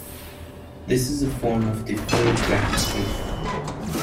This is a form of deferred gratification.